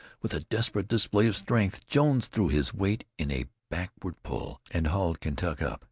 With a desperate display of strength Jones threw his weight in a backward pull, and hauled Kentuck up.